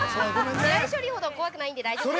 ◆地雷処理ほど怖くないんで大丈夫です。